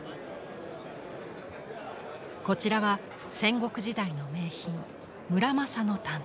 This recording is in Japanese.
こちらは戦国時代の名品村正の短刀。